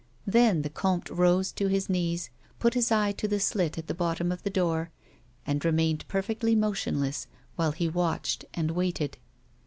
Then the comte rose to his knees, put his eye to the slit at the bottom of the door, and remained j^erfectly motionless while he watched and waited.